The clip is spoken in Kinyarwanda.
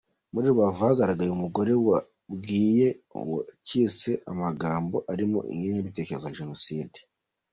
Muri Rubavu hagaragaye umugore wabwiye uwacitse amagambo arimo ingengabitekerezo ya Jenoside.